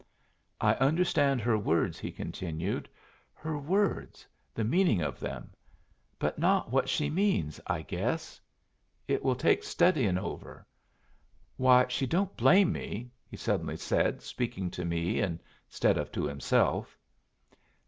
"I understand her words," he continued. "Her words, the meaning of them. But not what she means, I guess. It will take studyin' over. Why, she don't blame me!" he suddenly said, speaking to me instead of to himself.